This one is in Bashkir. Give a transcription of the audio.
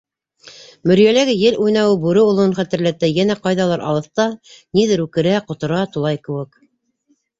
Мөрйәләге ел уйнауы бүре олоуын хәтерләтә, йәнә ҡайҙалыр алыҫта ниҙер үкерә, ҡотора, тулай кеүек...